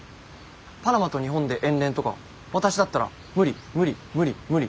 パナマと日本で遠恋とか私だったら無理無理無理無理。